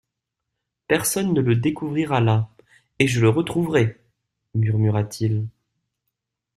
Personne ne le découvrira là, et je le retrouverai ! murmura-t-il.